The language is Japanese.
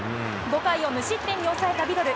５回を無失点に抑えたビドル。